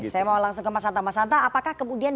saya mau langsung ke mas hanta mas hanta apakah kemudian